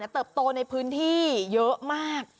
เติบโตในพื้นที่เยอะมาก